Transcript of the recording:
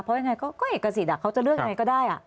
เพราะยังไงก็เอกสิทธิ์เขาจะเลือกยังไงก็ได้